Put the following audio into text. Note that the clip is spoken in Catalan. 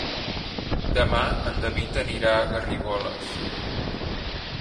Demà en David anirà a Garrigoles.